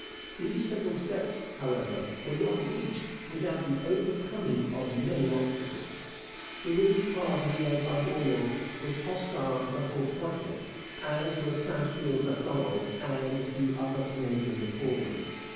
These several steps, however, were not reached without the overcoming of many obstacles. The Rouge party led by Dorion was hostile to the whole project, as were Sandfield Macdonald and a few Upper Canadian Reformers.